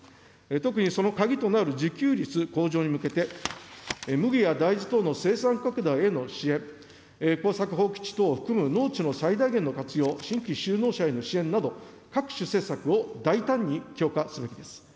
特にその鍵となる自給率向上に向けて、麦や大豆等の生産拡大への支援、耕作放棄地等を含む農地の最大限の活用、新規就農者への支援など、各種施策を大胆に強化すべきです。